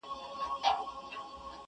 يو کال وروسته کلي بدل سوی